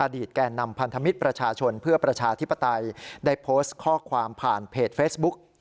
แก่นำพันธมิตรประชาชนเพื่อประชาธิปไตยได้โพสต์ข้อความผ่านเพจเฟซบุ๊ก